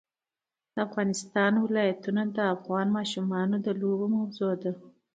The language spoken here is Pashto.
د افغانستان ولايتونه د افغان ماشومانو د لوبو موضوع ده.